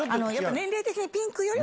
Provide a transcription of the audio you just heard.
年齢的にピンクよりは。